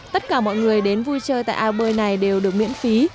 tất cả mọi người đến vui chơi tại ao bơi này đều được miễn phí